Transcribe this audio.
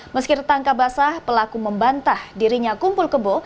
meskipun tangkap basah pelaku membantah dirinya kumpul kebo